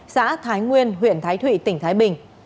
xã thái nguyên huyện thái thụy tỉnh thái bình